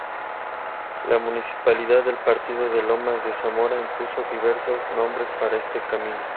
La municipalidad del partido de Lomas de Zamora impuso diversos nombres para este camino.